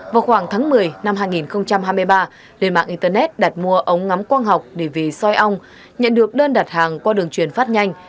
vào khoảng tháng một mươi năm hai nghìn hai mươi ba lên mạng internet đặt mua ống ngắm quang học để vì soi ong nhận được đơn đặt hàng qua đường truyền phát nhanh